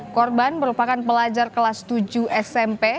korban merupakan pelajar kelas tujuh smp